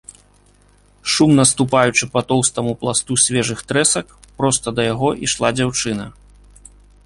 Шумна ступаючы па тоўстаму пласту свежых трэсак, проста да яго ішла дзяўчына.